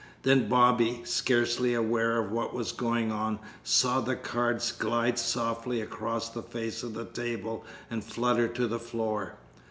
Then Bobby, scarcely aware of what was going on, saw the cards glide softly across the face of the table and flutter to the floor.